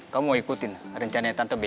kamu mau ikutin rencana tante be